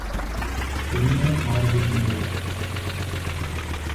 என்னே அவரது துணிவு.!